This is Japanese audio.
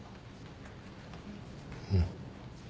うん。